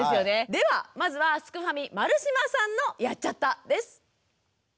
ではまずはすくファミ丸島さんの「やっちゃった！」です。